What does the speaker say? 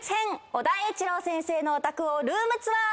尾田栄一郎先生のお宅をルームツアー！